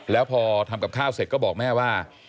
แล้วพอทำกับข้าวเสร็จก็บอกแม่ว่า